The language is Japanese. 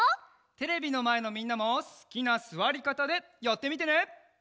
テレビのまえのみんなもすきなすわりかたでやってみてね。